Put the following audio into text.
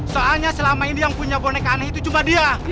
soalnya selama ini yang punya boneka aneh itu cuma dia